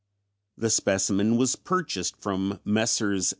The specimen was purchased from Messrs.